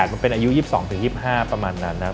มันเป็นอายุ๒๒๒๕ประมาณนั้นนะครับ